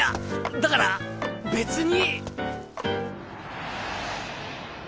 だから別に。